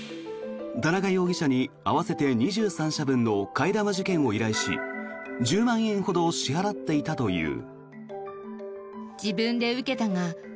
田中容疑者に合わせて２３社分の替え玉受検を依頼し１０万円ほど支払っていたという。